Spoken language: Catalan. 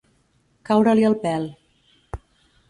Caure-li el pèl.